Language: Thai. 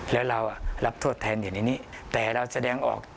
แล้วเรารับโทษแทนอยู่ในนี้แต่เราแสดงออก